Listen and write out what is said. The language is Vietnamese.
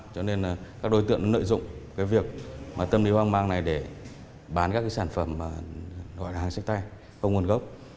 cho nên các đối tượng nợ dụng cái việc tâm lý hoang mang này để bán các cái sản phẩm gọi là hàng sách tay không nguồn gốc